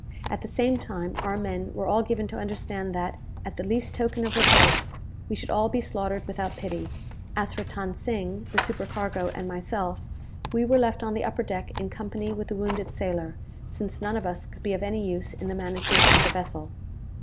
At the same time our men were all given to understand that, at the least token of revolt, we should all be slaughtered without pity. As for Than Sing, the supercargo, and myself, we were left on the upper deck in company with the wounded sailor, since none of us could be of use in the management of the vessel.